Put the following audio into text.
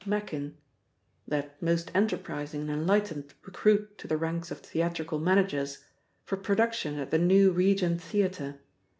Machin ("that most enterprising and enlightened recruit to the ranks of theatrical managers ") for production at the new Regent Theatre.